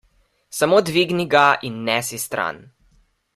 Samo dvigni ga in nesi stran.